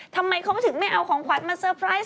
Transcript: ทำไมเขาถึงไม่เอาของขวัญมาเตอร์ไพรส์